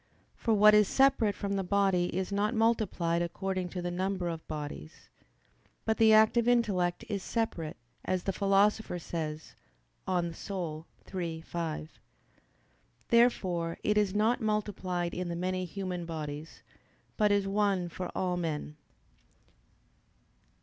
For what is separate from the body is not multiplied according to the number of bodies. But the active intellect is "separate," as the Philosopher says (De Anima iii, 5). Therefore it is not multiplied in the many human bodies, but is one for all men.